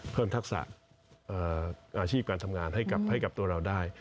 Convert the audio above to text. ทักษะอาชีพการทำงานให้กับตัวเราได้